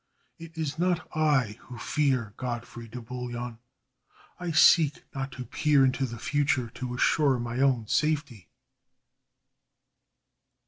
It is not I who fear, Godfrey de Bouillon. I seek not to peer into the future to assure my own safety."